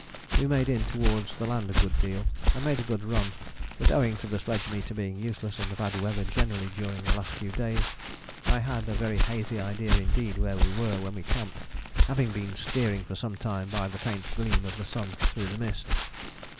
We made in towards the land a good deal, and made a good run, but owing to the sledge meter being useless and the bad weather generally during the last few days, I had a very hazy idea indeed where we were when we camped, having been steering for some time by the faint gleam of the sun through the mist.